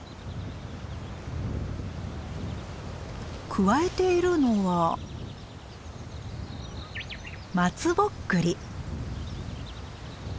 くわえているのは松ぼっくり！